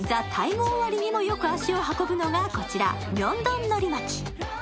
終わりにもよく足を運ぶのがこちら明洞のり巻。